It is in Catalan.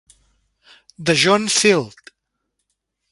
De John Field.